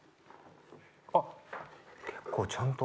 あっ結構ちゃんと。